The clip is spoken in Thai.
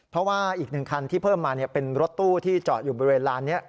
เพราะว่าอีก๑คันที่เพิ่มมาเป็นรถตู้ที่จอดอยู่บริเวณลานนี้